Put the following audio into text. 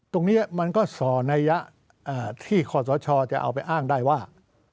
ตรงนี้มันก็สอนัยยะที่ขอสชจะเอาไปอ้างได้ว่า